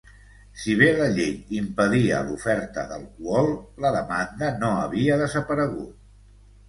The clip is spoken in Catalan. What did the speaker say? Si bé la llei impedia l'oferta d'alcohol, la demanda no havia desaparegut.